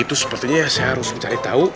itu sepertinya saya harus mencari tahu